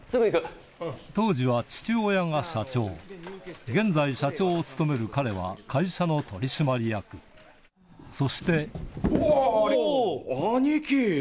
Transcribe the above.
当時は父親が社長現在社長を務める彼は会社の取締役そしてうわぁ！